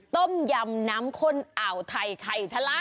ต้มยำน้ำข้นอ่าวไทยไข่ทะลัก